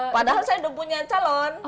padahal saya udah punya calon